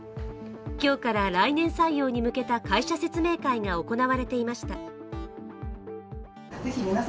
今日から来年採用に向けた会社説明会が行われていました。